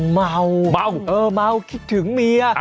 เมาคิดถึงเมีย